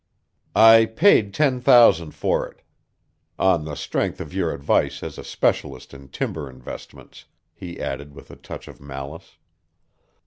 "I paid ten thousand for it. On the strength of your advice as a specialist in timber investments," he added with a touch of malice.